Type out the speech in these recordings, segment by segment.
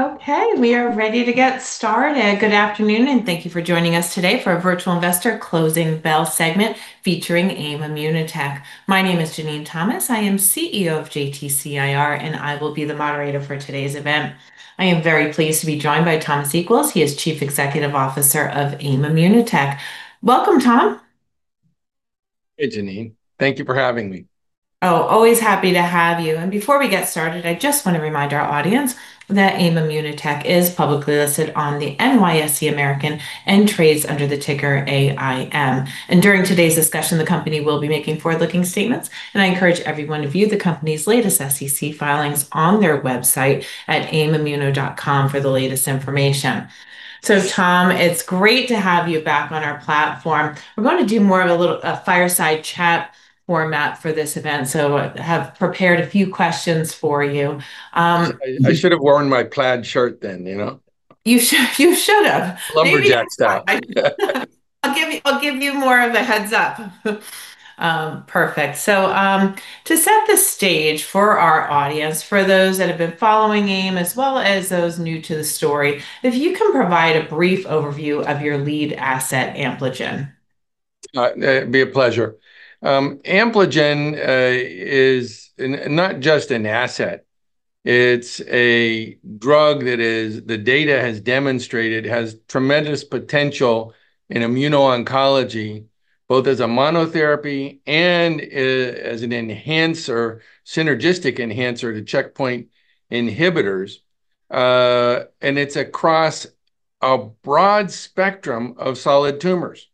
Okay, we are ready to get started. Good afternoon, and thank you for joining us today for a Virtual Investor Closing Bell segment featuring AIM ImmunoTech. My name is Jenene Thomas. I am CEO of JTC IR, and I will be the moderator for today's event. I am very pleased to be joined by Thomas Equels. He is Chief Executive Officer of AIM ImmunoTech. Welcome, Tom. Hey, Jenene. Thank you for having me. Oh, always happy to have you, and before we get started, I just want to remind our audience that AIM ImmunoTech is publicly listed on the NYSE American and trades under the ticker AIM, and during today's discussion, the company will be making forward-looking statements, and I encourage everyone to view the company's latest SEC filings on their website at aimimmuno.com for the latest information, so Tom, it's great to have you back on our platform. We're going to do more of a little fireside chat format for this event, so I have prepared a few questions for you. I should have worn my plaid shirt then, you know. You should have. Lumberjack style. I'll give you more of a heads up. Perfect. So, to set the stage for our audience, for those that have been following AIM, as well as those new to the story, if you can provide a brief overview of your lead asset, Ampligen. It'd be a pleasure. Ampligen is not just an asset. It's a drug that the data has demonstrated has tremendous potential in immuno-oncology, both as a monotherapy and as an enhancer, synergistic enhancer to checkpoint inhibitors. And it's across a broad spectrum of solid tumors.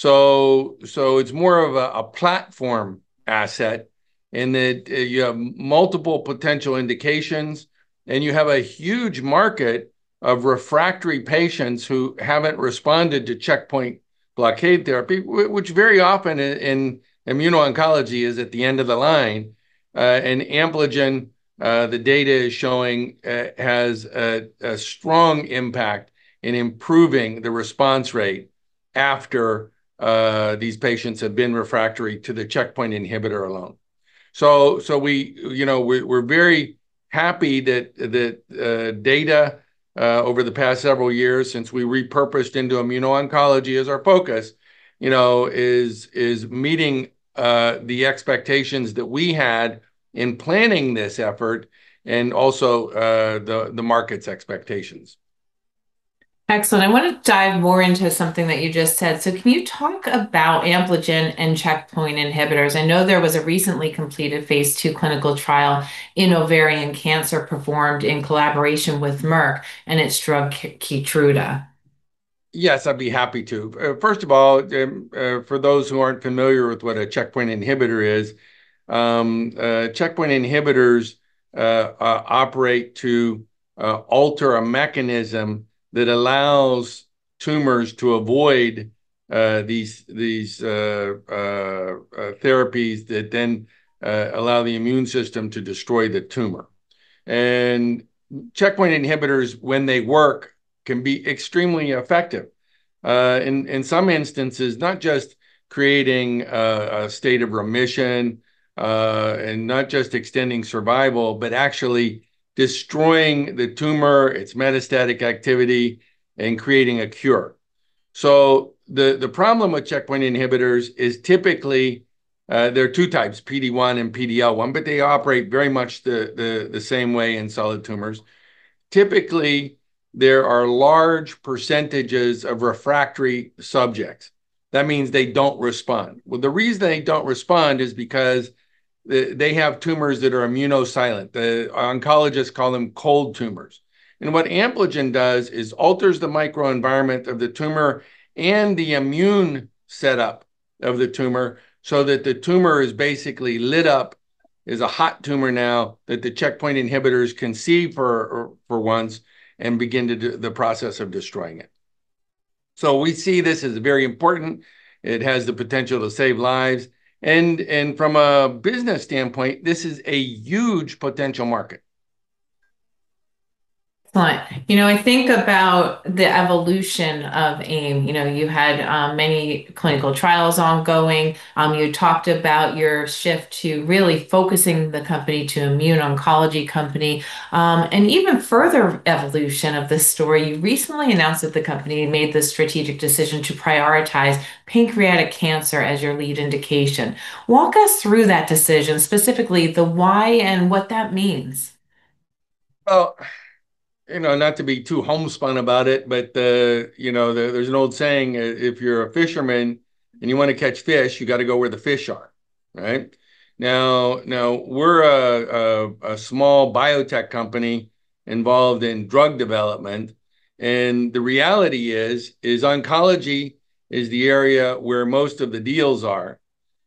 So, it's more of a platform asset in that you have multiple potential indications, and you have a huge market of refractory patients who haven't responded to checkpoint blockade therapy, which very often in immuno-oncology is at the end of the line. And Ampligen, the data is showing, has a strong impact in improving the response rate after these patients have been refractory to the checkpoint inhibitor alone. So, we're very happy that data over the past several years, since we repurposed into immuno-oncology as our focus, is meeting the expectations that we had in planning this effort and also the market's expectations. Excellent. I want to dive more into something that you just said. So, can you talk about Ampligen and checkpoint inhibitors? I know there was a recently completed Phase II clinical trial in ovarian cancer performed in collaboration with Merck and its drug Keytruda. Yes, I'd be happy to. First of all, for those who aren't familiar with what a checkpoint inhibitor is, checkpoint inhibitors operate to alter a mechanism that allows tumors to avoid these therapies that then allow the immune system to destroy the tumor. Checkpoint inhibitors, when they work, can be extremely effective. In some instances, not just creating a state of remission and not just extending survival, but actually destroying the tumor, its metastatic activity, and creating a cure. The problem with checkpoint inhibitors is typically there are two types, PD-1 and PD-L1, but they operate very much the same way in solid tumors. Typically, there are large percentages of refractory subjects. That means they don't respond. The reason they don't respond is because they have tumors that are immunosilent. The oncologists call them cold tumors. What Ampligen does is alters the microenvironment of the tumor and the immune setup of the tumor so that the tumor is basically lit up, is a hot tumor now that the checkpoint inhibitors can see for once and begin the process of destroying it. We see this as very important. It has the potential to save lives. From a business standpoint, this is a huge potential market. Excellent. You know, I think about the evolution of AIM. You had many clinical trials ongoing. You talked about your shift to really focusing the company to immuno-oncology company, and even further evolution of this story, you recently announced that the company made the strategic decision to prioritize pancreatic cancer as your lead indication. Walk us through that decision, specifically the why and what that means. You know, not to be too homespun about it, but there's an old saying, if you're a fisherman and you want to catch fish, you got to go where the fish are. Now, we're a small biotech company involved in drug development, and the reality is, oncology is the area where most of the deals are.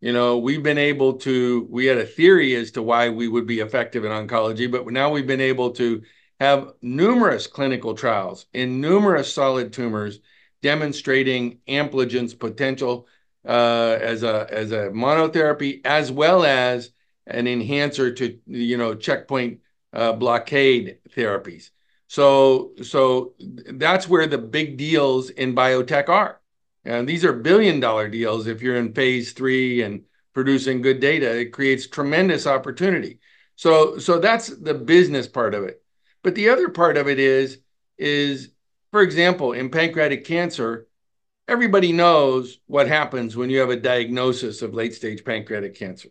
We've been able to, we had a theory as to why we would be effective in oncology, but now we've been able to have numerous clinical trials in numerous solid tumors demonstrating Ampligen's potential as a monotherapy, as well as an enhancer to checkpoint blockade therapies. That's where the big deals in biotech are, and these are billion-dollar deals. If you're in Phase III and producing good data, it creates tremendous opportunity. That's the business part of it. But the other part of it is, for example, in pancreatic cancer, everybody knows what happens when you have a diagnosis of late-stage pancreatic cancer.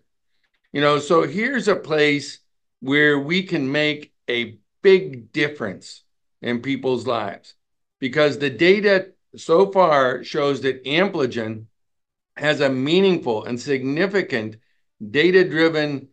So, here's a place where we can make a big difference in people's lives because the data so far shows that Ampligen has a meaningful and significant data-driven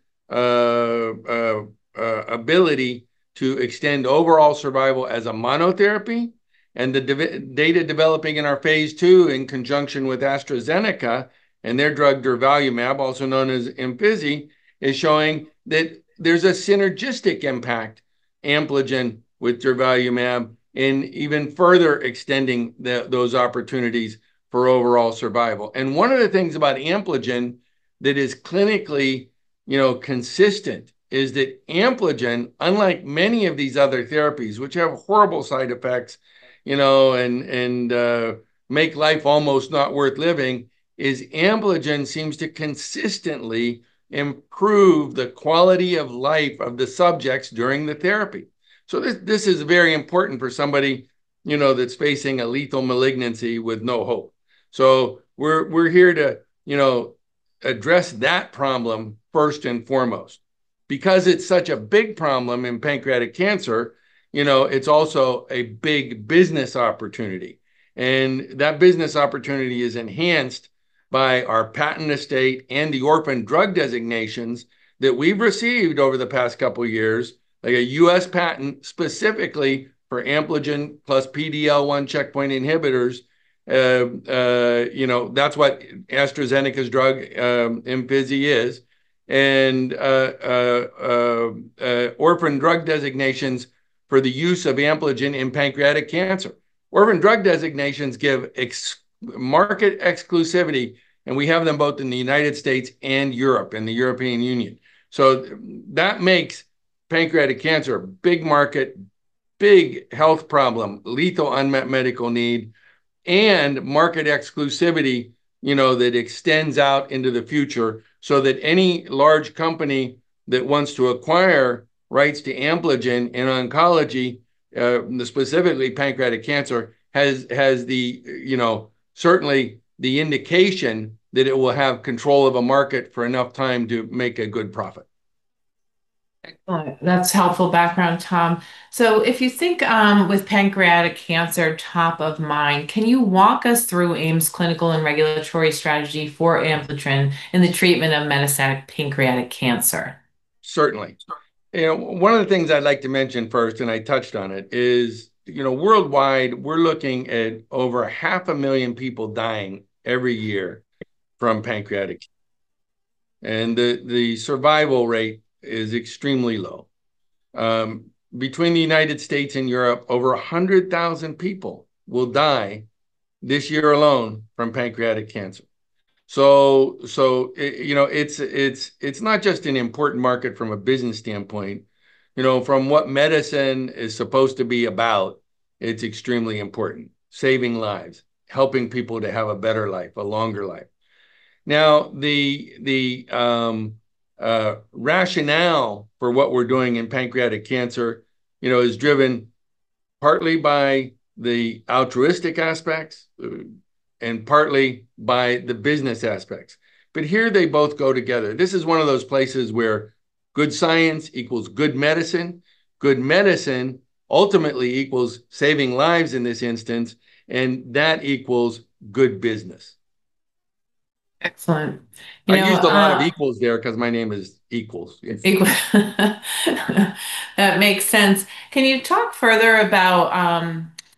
ability to extend overall survival as a monotherapy. And the data developing in our Phase II in conjunction with AstraZeneca and their drug durvalumab, also known as Imfinzi, is showing that there's a synergistic impact, Ampligen with durvalumab, in even further extending those opportunities for overall survival. And one of the things about Ampligen that is clinically consistent is that Ampligen, unlike many of these other therapies, which have horrible side effects and make life almost not worth living, is Ampligen seems to consistently improve the quality of life of the subjects during the therapy. This is very important for somebody that's facing a lethal malignancy with no hope, so we're here to address that problem first and foremost, because it's such a big problem in pancreatic cancer, it's also a big business opportunity, and that business opportunity is enhanced by our patent estate and the orphan drug designations that we've received over the past couple of years, like a U.S. patent specifically for Ampligen plus PD-L1 checkpoint inhibitors. That's what AstraZeneca's drug, Imfinzi, is, and orphan drug designations for the use of Ampligen in pancreatic cancer. Orphan drug designations give market exclusivity, and we have them both in the United States and Europe and the European Union. So, that makes pancreatic cancer a big market, big health problem, lethal unmet medical need, and market exclusivity that extends out into the future so that any large company that wants to acquire rights to Ampligen in oncology, specifically pancreatic cancer, has certainly the indication that it will have control of a market for enough time to make a good profit. Excellent. That's helpful background, Tom. So, if you think with pancreatic cancer, top of mind, can you walk us through AIM's clinical and regulatory strategy for Ampligen in the treatment of metastatic pancreatic cancer? Certainly. One of the things I'd like to mention first, and I touched on it, is worldwide, we're looking at over 500,000 people dying every year from pancreatic cancer, and the survival rate is extremely low. Between the United States and Europe, over 100,000 people will die this year alone from pancreatic cancer, so it's not just an important market from a business standpoint. From what medicine is supposed to be about, it's extremely important, saving lives, helping people to have a better life, a longer life. Now, the rationale for what we're doing in pancreatic cancer is driven partly by the altruistic aspects and partly by the business aspects, but here, they both go together. This is one of those places where good science equals good medicine. Good medicine ultimately equals saving lives in this instance, and that equals good business. Excellent. I used a lot of equals there because my name is Equels. Equels. That makes sense. Can you talk further about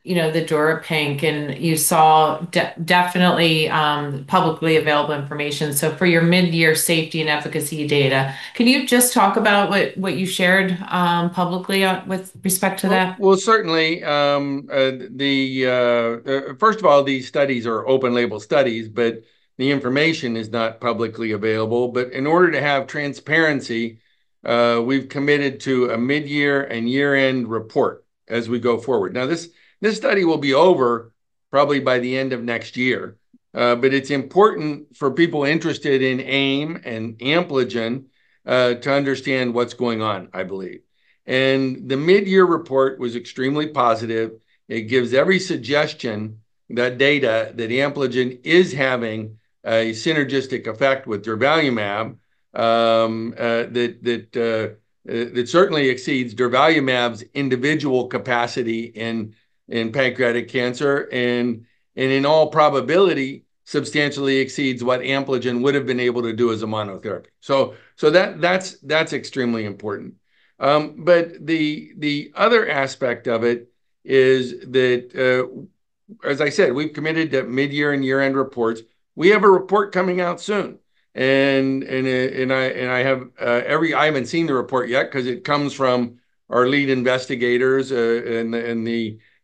the durvalumab? And as you said, definitely publicly available information. So, for your mid-year safety and efficacy data, can you just talk about what you shared publicly with respect to that? Well, certainly. First of all, these studies are open-label studies, but the information is not publicly available. But in order to have transparency, we've committed to a mid-year and year-end report as we go forward. Now, this study will be over probably by the end of next year. But it's important for people interested in AIM and Ampligen to understand what's going on, I believe. And the mid-year report was extremely positive. It gives every suggestion that data that Ampligen is having a synergistic effect with durvalumab that certainly exceeds durvalumab's individual capacity in pancreatic cancer and in all probability substantially exceeds what Ampligen would have been able to do as a monotherapy. So, that's extremely important. But the other aspect of it is that, as I said, we've committed to mid-year and year-end reports. We have a report coming out soon. I haven't seen the report yet because it comes from our lead investigators at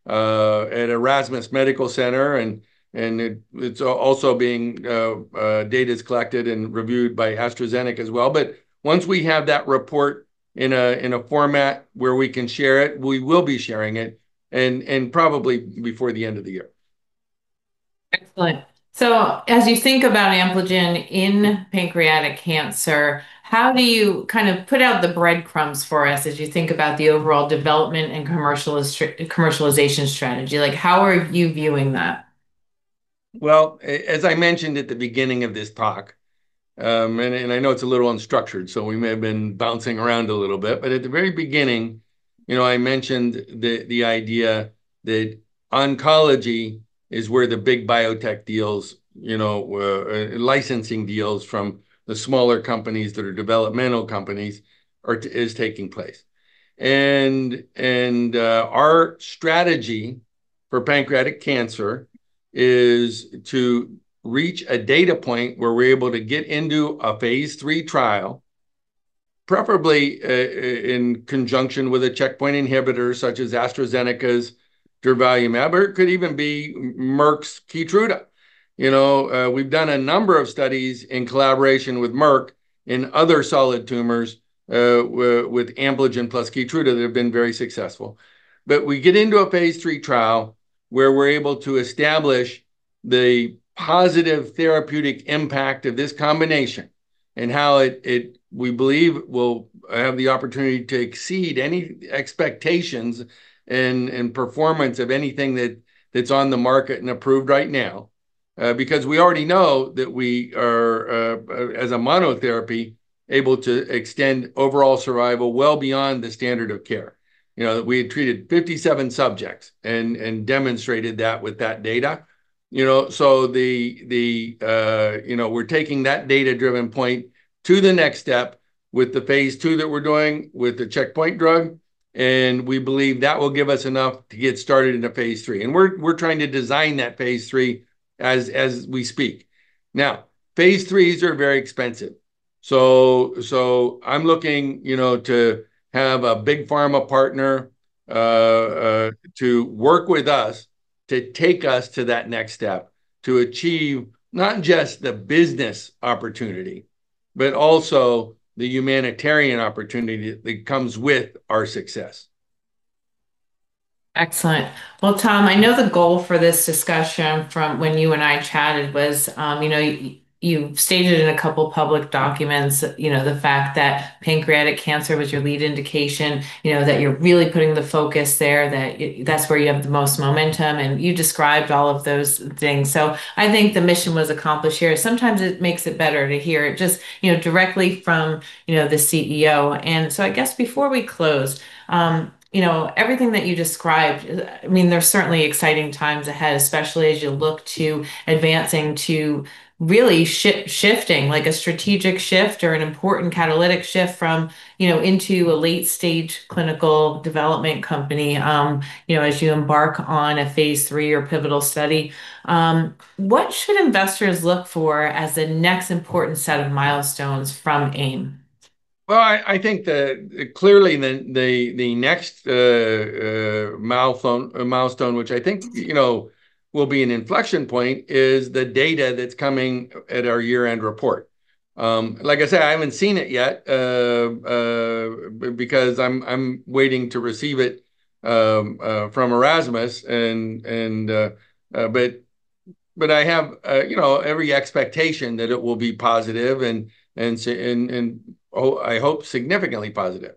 Erasmus Medical Center. Data is also being collected and reviewed by AstraZeneca as well. Once we have that report in a format where we can share it, we will be sharing it probably before the end of the year. Excellent. So, as you think about Ampligen in pancreatic cancer, how do you kind of put out the breadcrumbs for us as you think about the overall development and commercialization strategy? How are you viewing that? As I mentioned at the beginning of this talk, and I know it's a little unstructured, so we may have been bouncing around a little bit, but at the very beginning, I mentioned the idea that oncology is where the big biotech deals, licensing deals from the smaller companies that are developmental companies are taking place. Our strategy for pancreatic cancer is to reach a data point where we're able to get into a Phase III trial, preferably in conjunction with a checkpoint inhibitor such as AstraZeneca's durvalumab, or it could even be Merck's Keytruda. We've done a number of studies in collaboration with Merck in other solid tumors with Ampligen plus Keytruda that have been very successful. We get into a Phase III trial where we're able to establish the positive therapeutic impact of this combination and how we believe we'll have the opportunity to exceed any expectations in performance of anything that's on the market and approved right now because we already know that we are, as a monotherapy, able to extend overall survival well beyond the standard of care. We had treated 57 subjects and demonstrated that with that data. We're taking that data-driven point to the next step with the Phase II that we're doing with the checkpoint drug. We believe that will give us enough to get started in a Phase III. We're trying to design that Phase III as we speak. Now, Phase III are very expensive. So, I'm looking to have a big pharma partner to work with us to take us to that next step to achieve not just the business opportunity, but also the humanitarian opportunity that comes with our success. Excellent. Well, Tom, I know the goal for this discussion from when you and I chatted was you stated in a couple of public documents the fact that pancreatic cancer was your lead indication, that you're really putting the focus there, that that's where you have the most momentum. And you described all of those things. So, I think the mission was accomplished here. Sometimes it makes it better to hear it just directly from the CEO. And so, I guess before we close, everything that you described, I mean, there's certainly exciting times ahead, especially as you look to advancing to really shifting like a strategic shift or an important catalytic shift into a late-stage clinical development company as you embark on a Phase III or pivotal study. What should investors look for as the next important set of milestones from AIM? I think clearly the next milestone, which I think will be an inflection point, is the data that's coming at our year-end report. Like I said, I haven't seen it yet because I'm waiting to receive it from Erasmus. But I have every expectation that it will be positive and, I hope, significantly positive.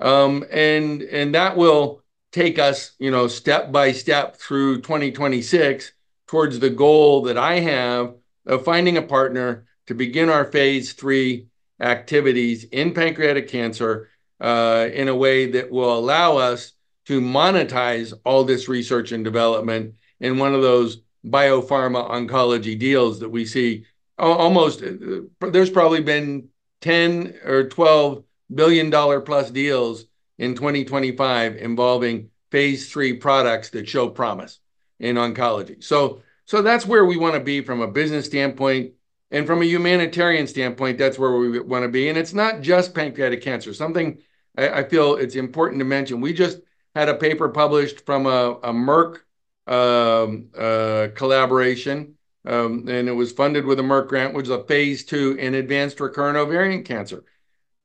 That will take us step by step through 2026 towards the goal that I have of finding a partner to begin our Phase III activities in pancreatic cancer in a way that will allow us to monetize all this research and development in one of those biopharma oncology deals that we see. There's probably been $10+ or $12+ billion deals in 2025 involving Phase III products that show promise in oncology. That's where we want to be from a business standpoint. From a humanitarian standpoint, that's where we want to be. And it's not just pancreatic cancer. Something I feel it's important to mention, we just had a paper published from a Merck collaboration, and it was funded with a Merck grant, which is a Phase II in advanced recurrent ovarian cancer.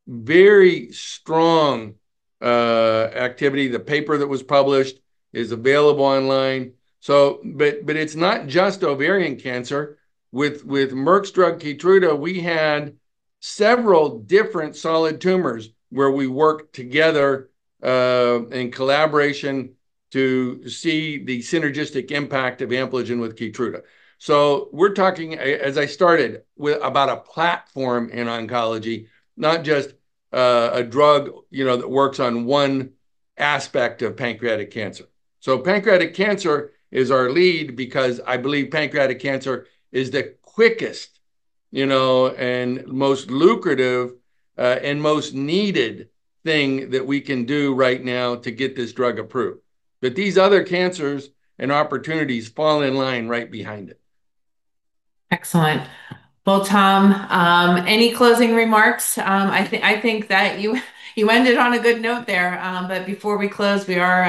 Very strong activity. The paper that was published is available online. But it's not just ovarian cancer. With Merck's drug Keytruda, we had several different solid tumors where we worked together in collaboration to see the synergistic impact of Ampligen with Keytruda. So, we're talking, as I started, about a platform in oncology, not just a drug that works on one aspect of pancreatic cancer. So, pancreatic cancer is our lead because I believe pancreatic cancer is the quickest and most lucrative and most needed thing that we can do right now to get this drug approved. But these other cancers and opportunities fall in line right behind it. Excellent. Well, Tom, any closing remarks? I think that you ended on a good note there. But before we close, we are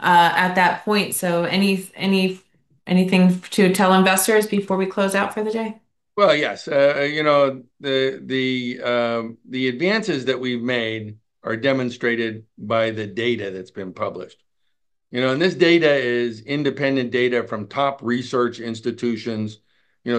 at that point. So, anything to tell investors before we close out for the day? Yes. The advances that we've made are demonstrated by the data that's been published. This data is independent data from top research institutions,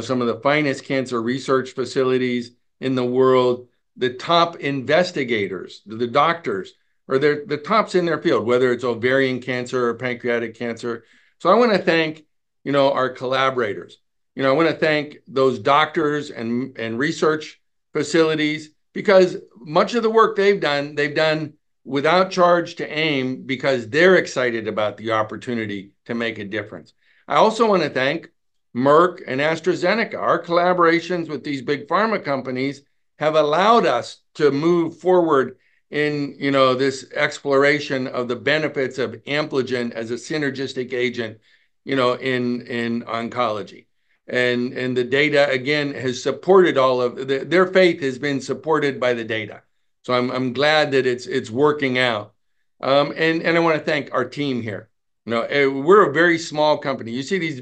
some of the finest cancer research facilities in the world, the top investigators, the doctors, or the tops in their field, whether it's ovarian cancer or pancreatic cancer. I want to thank our collaborators. I want to thank those doctors and research facilities because much of the work they've done, they've done without charge to AIM because they're excited about the opportunity to make a difference. I also want to thank Merck and AstraZeneca. Our collaborations with these big pharma companies have allowed us to move forward in this exploration of the benefits of Ampligen as a synergistic agent in oncology. The data, again, has supported all of their faith. I'm glad that it's working out. And I want to thank our team here. We're a very small company. You see these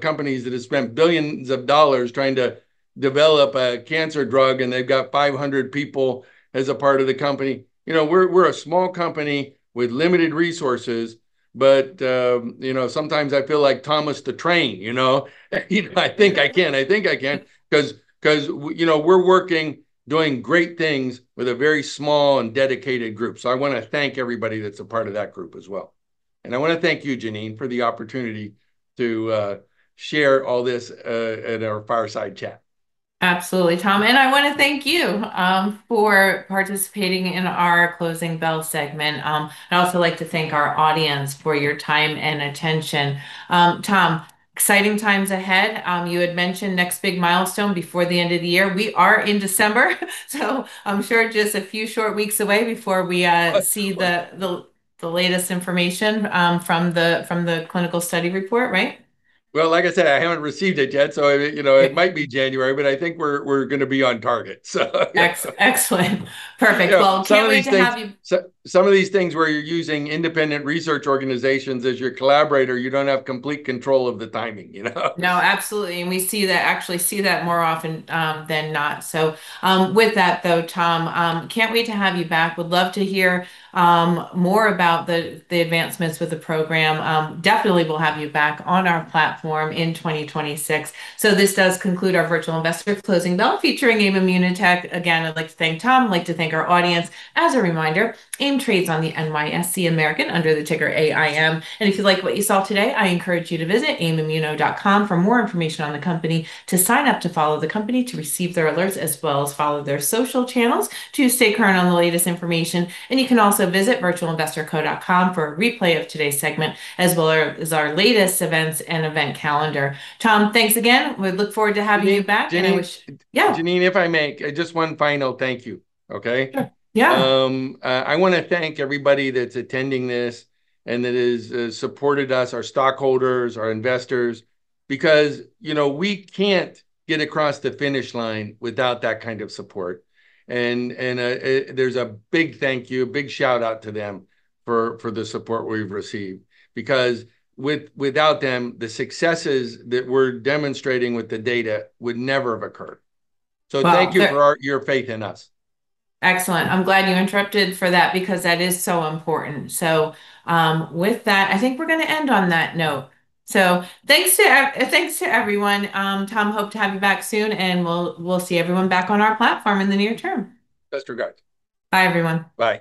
companies that have spent billions of dollars trying to develop a cancer drug, and they've got 500 people as a part of the company. We're a small company with limited resources, but sometimes I feel like Thomas the Train. I think I can. I think I can because we're working, doing great things with a very small and dedicated group. So, I want to thank everybody that's a part of that group as well. And I want to thank you, Jenene, for the opportunity to share all this at our fireside chat. Absolutely, Tom. And I want to thank you for participating in our closing bell segment. I'd also like to thank our audience for your time and attention. Tom, exciting times ahead. You had mentioned next big milestone before the end of the year. We are in December. So, I'm sure just a few short weeks away before we see the latest information from the clinical study report, right? Like I said, I haven't received it yet. It might be January, but I think we're going to be on target. Excellent. Perfect. Well, can't wait to have you. Some of these things where you're using independent research organizations as your collaborator, you don't have complete control of the timing. No, absolutely. And we actually see that more often than not. So, with that, though, Tom, can't wait to have you back. Would love to hear more about the advancements with the program. Definitely will have you back on our platform in 2026. So, this does conclude our Virtual Investor Closing Bell featuring AIM ImmunoTech. Again, I'd like to thank Tom. I'd like to thank our audience. As a reminder, AIM trades on the NYSE American under the ticker AIM. And if you like what you saw today, I encourage you to visit aimimmunotech.com for more information on the company, to sign up to follow the company to receive their alerts, as well as follow their social channels to stay current on the latest information. And you can also visit virtualinvestorco.com for a replay of today's segment, as well as our latest events and event calendar. Tom, thanks again. We look forward to having you back. Jenene, if I may, just one final thank you. Okay? Yeah. I want to thank everybody that's attending this and that has supported us, our stockholders, our investors, because we can't get across the finish line without that kind of support. And there's a big thank you, a big shout-out to them for the support we've received because without them, the successes that we're demonstrating with the data would never have occurred. So, thank you for your faith in us. Excellent. I'm glad you interrupted for that because that is so important. So, with that, I think we're going to end on that note. So, thanks to everyone. Tom, hope to have you back soon, and we'll see everyone back on our platform in the near term. Best regards. Bye, everyone. Bye.